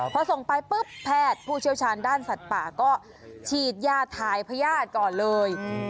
พอส่งไปปุ๊บแพทย์ผู้เชี่ยวชาญด้านสัตว์ป่าก็ฉีดยาถ่ายพญาติก่อนเลย